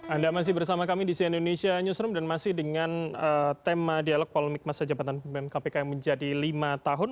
anda masih bersama kami di cnn indonesia newsroom dan masih dengan tema dialog polemik masa jabatan pemimpin kpk yang menjadi lima tahun